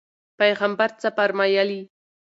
پیغمبر څه فرمایلي؟